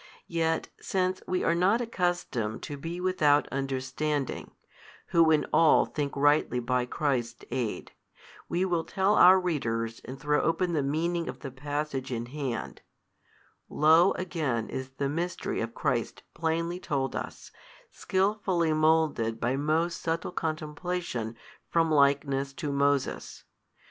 Yet since we are not accustomed to be without understanding, who in all think rightly by Christ's aid, we will tell our readers and throw open the meaning of the passage in hand: Lo again is the mystery of Christ plainly told us, skilfully moulded by most subtle contemplation from likeness to Moses.